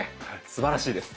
すばらしいです。